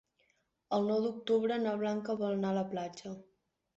El nou d'octubre na Blanca vol anar a la platja.